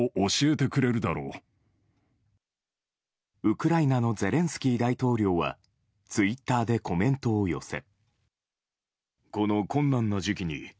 ウクライナのゼレンスキー大統領はツイッターでコメントを寄せ。